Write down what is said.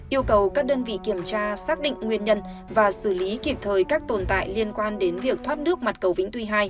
yêu cầu các đơn vị kiểm tra xác định nguyên nhân và xử lý kịp thời các tồn tại liên quan đến việc thoát nước mặt cầu vĩnh tuy hai